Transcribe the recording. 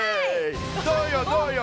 どうよどうよ？